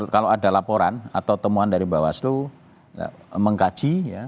kalau ada laporan atau temuan dari bawaslu mengkaji